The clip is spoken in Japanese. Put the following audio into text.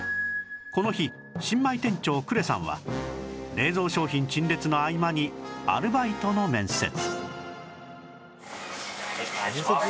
この日新米店長呉さんは冷蔵商品陳列の合間にアルバイトの面接